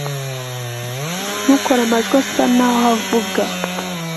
Ntukore Amajwi asa naho avuga